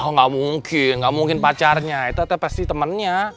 gak mungkin gak mungkin pacarnya itu pasti temennya